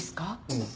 うん。